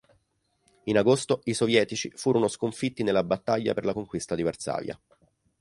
In agosto i sovietici furono sconfitti nella battaglia per la conquista di Varsavia.